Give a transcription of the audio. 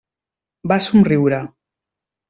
Va somriure.